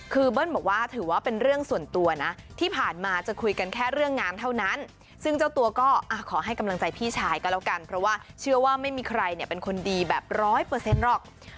คือเบิ้ลบอกว่าถือว่าเป็นเรื่องส่วนตัวนะที่ผ่านมาจะคุยกันแค่เรื่องงานเท่านั้นซึ่งเจ้าตัวก็ขอให้กำลังใจพี่ชายก็แล้วกันเพราะว่าเชื่อว่าไม่มีใครเนี่ยเป็นคนดีแบบร้อยเปอร์เซ็นต์หรอก